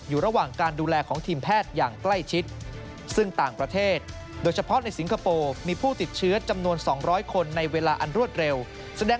อยู่ระหว่างการดูแลของทีมแพทย์อย่างใกล้ชิด